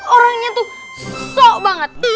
orangnya tuh sok banget